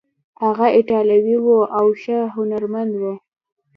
هغه ایټالوی و او ښه هنرمند و.